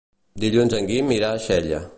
Dilluns en Guim irà a Xella.